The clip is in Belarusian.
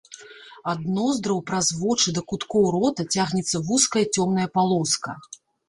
Ад ноздраў праз вочы да куткоў рота цягнецца вузкая цёмная палоска.